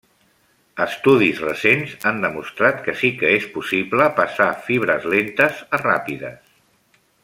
Estudis recents han demostrat que sí que és possible passar fibres lentes a ràpides.